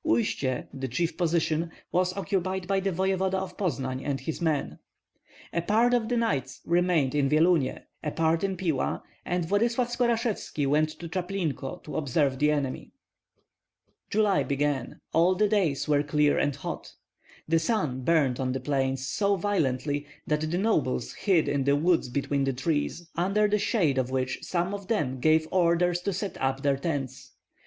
Uistsie, the chief position, was occupied by the voevoda of Poznan and his men. A part of the knights remained in Vyelunie, a part in Pila, and Vladyslav Skorashevski went to Chaplinko to observe the enemy. July began; all the days were clear and hot. The sun burned on the plains so violently that the nobles hid in the woods between the trees, under the shade of which some of them gave orders to set up their tents.